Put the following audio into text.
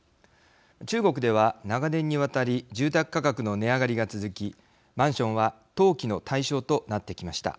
中国では長年にわたり住宅価格の値上がりが続きマンションは投機の対象となってきました。